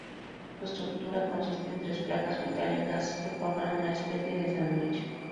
Su estructura consiste en tres placas metálicas que forman una especie de sándwich.